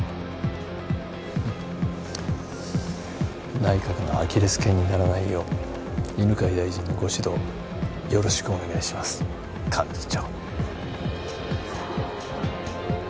内閣のアキレスけんにならないよう犬飼大臣のご指導よろしくお願いします幹事長。